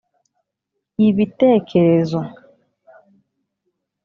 ibitekerezo.